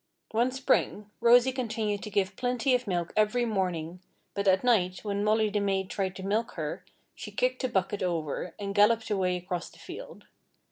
One Spring, Rosy continued to give plenty of milk every morning, but at night, when Molly the maid tried to milk her, she kicked the bucket over and galloped away across the field.